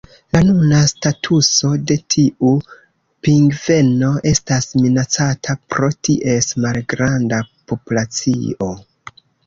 La nuna statuso de tiu pingveno estas minacata pro ties malgranda populacio.